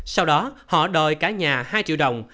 sau đó họ đòi cả nhà hai triệu đồng